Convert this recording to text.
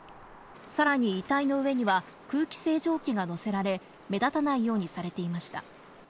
さらに遺体の上には空気清浄機がのせられ、目立たないようにされていました。